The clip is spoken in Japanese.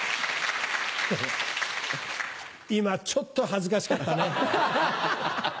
今ちょっと恥ずかしかったね。